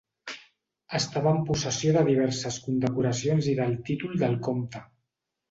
Estava en possessió de diverses condecoracions i del títol del comte.